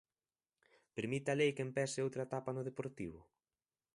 Permite a lei que empece outra etapa no Deportivo?